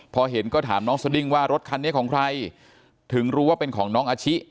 พอเห็นก็ถามน้องสดิ้งว่ารถคันนี้ของใครถึงรู้ว่าเป็นของน้องอาชิ